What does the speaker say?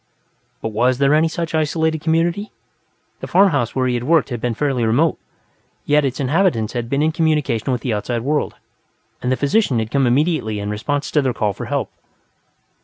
But was there any such isolated community? The farmhouse where he had worked had been fairly remote, yet its inhabitants had been in communication with the outside world, and the physician had come immediately in response to their call for help.